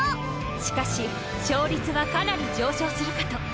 しかし勝率はかなり上昇するかと。